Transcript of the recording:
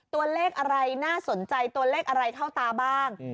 ตัวเลขอะไรน่าสนใจตัวเลขอะไรเข้าตาบ้าง